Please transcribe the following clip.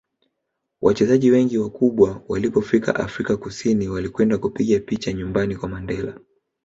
wachezaji wengi wakubwa walipofika afrika kusini walikwenda kupiga picha nyumbani kwa mandela